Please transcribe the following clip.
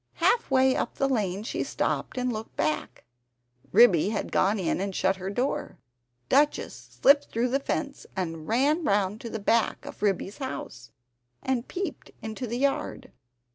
Half way up the lane she stopped and looked back; Ribby had gone in and shut her door. Duchess slipped through the fence, and ran round to the back of Ribby's house, and peeped into the yard.